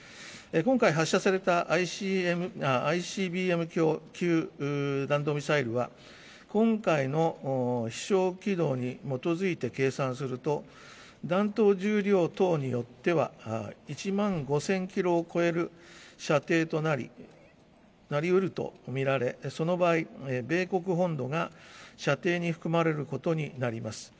今回、発射されたＩＣＢＭ級弾道ミサイルは、今回の飛しょう軌道に基づいて計算すると、弾頭重量等によっては、１万５０００キロを超える射程となり、なりうると見られ、その場合、米国本土が射程に含まれることになります。